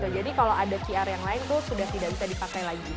jadi kalau ada qr yang lain tuh sudah tidak bisa dipakai lagi